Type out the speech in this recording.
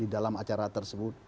di dalam acara tersebut